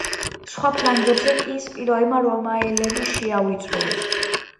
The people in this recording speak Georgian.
სხვა ფლანგებზე კი სპილოებმა რომაელები შეავიწროვეს.